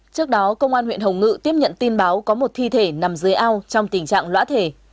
trước đó công an huyện hồng ngự tiếp nhận tin báo có một thi thể nằm dưới ao trong tình trạng lõa thể